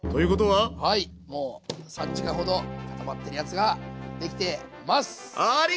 はいもう３時間ほど固まってるやつが出来てます！